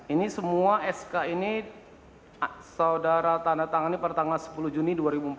ini semua sk ini saudara tanda tangani pada tanggal sepuluh juni dua ribu empat belas